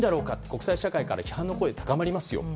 国際社会から批判の声が高まりますよ。